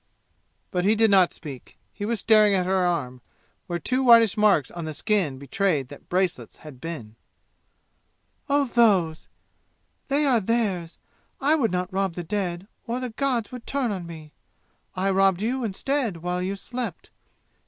But he did not speak. He was staring at her arm, where two whitish marks on the skin betrayed that bracelets had been. "Oh, those! They are theirs. I would not rob the dead, or the gods would turn on me. I robbed you, instead, while you slept.